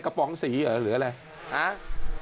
กระป๋องสีหรืออะไร